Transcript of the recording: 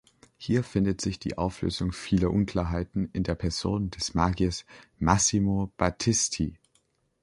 Hier findet sich die Auflösung vieler Unklarheiten in der Person des Magiers Massimo Battisti.